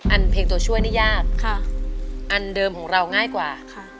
เพลงตัวช่วยนี่ยากอันเดิมของเราง่ายกว่า